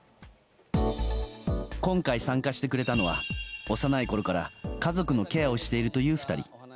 今回参加してくれたのは幼いころから家族のケアをしているという２人。